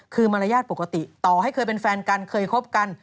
คือมารยาทปกติต่อให้เคยเป็นแฟนกันเคยคบกัน